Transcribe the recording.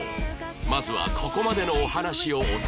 まずはここまでのお話をおさらい